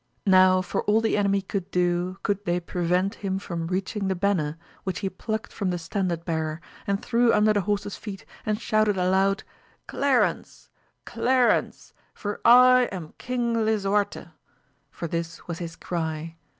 Nor for all the enemy could do could they prevent him from reaching the banner, which he plucked from the standard bearer, and threw under the horses' feet, and shouted aloud, Clarence ! 14—2 212 AMADIS OF GAUL. Clarence ! for I am King Lisuarte : for this was his cry.